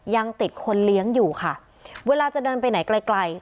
ยังติดคนเลี้ยงอยู่ค่ะเวลาจะเดินไปไหนไกลไกล